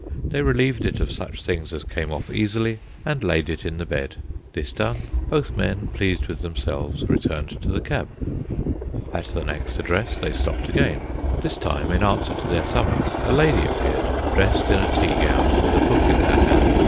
They relieved it of such things as came off easily, and laid it in the bed. This done, both men, pleased with themselves, returned to the cab. At the next address they stopped again. This time, in answer to their summons, a lady appeared, dressed in a tea gown, with a book in her hand.